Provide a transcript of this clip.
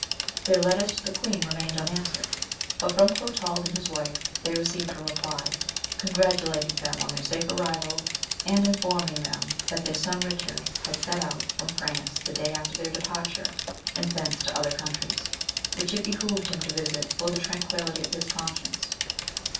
Their letters to the queen remained unanswered, but from Clotald and his wife they received a reply, congratulating them on their safe arrival, and informing them that their son Richard had set out from France the day after their departure, and thence to other countries, which it behoved him to visit for the tranquillity of his conscience.